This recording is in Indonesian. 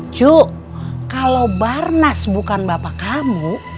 cuk kalau barnas bukan bapak kamu